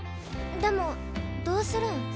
でもどうするん？